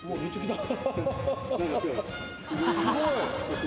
すごい。